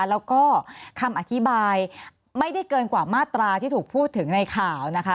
แล้วก็คำอธิบายไม่ได้เกินกว่ามาตราที่ถูกพูดถึงในข่าวนะคะ